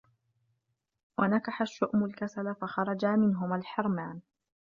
وَنَكَحَ الشُّؤْمُ الْكَسَلَ فَخَرَجَ مِنْهُمَا الْحِرْمَانُ